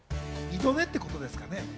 二度寝ってことですかね？